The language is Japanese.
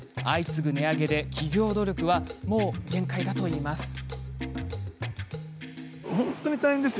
相次ぐ値上げで、企業努力はもう限界だといいます。